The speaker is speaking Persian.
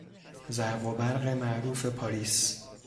زرق و برق معروف پاریس